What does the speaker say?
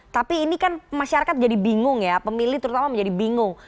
tapi ini kan masyarakat jadi bingung ya pemilih terutama menjadi bingung